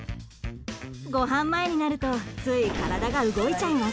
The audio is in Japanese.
ごはん前になるとつい、体が動いちゃいます。